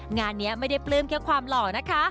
งานนี้ไม่ได้ปลื้มแค่ความหล่อนะคะ